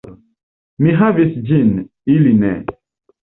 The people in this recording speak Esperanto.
Mi havis ĝin, ili ne.